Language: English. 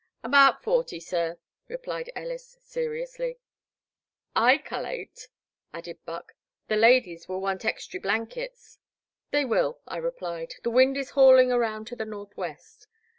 " Abaout forty, sir," replied Ellis, seriously. '* I cal'late, *' added Buck, the ladies will want extry blankets." "They will," I replied, "the wind is hauling around to the northwest."